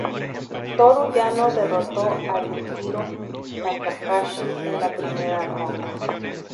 Toru Yano derrotó a Yujiro Takahashi en la primera ronda.